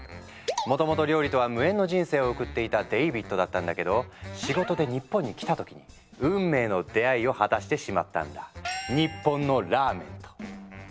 もともと料理とは無縁の人生を送っていたデイビッドだったんだけど仕事で日本に来た時に運命の出会いを果たしてしまったんだ日本のラーメンと。